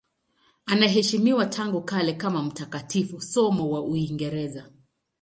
Anaheshimiwa tangu kale kama mtakatifu, somo wa Uingereza.